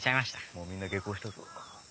もうみんな下校したぞ。